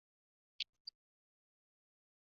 阿夫拉尼乌是巴西伯南布哥州的一个市镇。